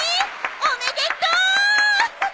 おめでとー！